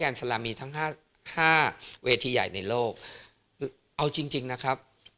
แกนสารามีทั้ง๕เวทีใหญ่ในโลกเอาจริงนะครับ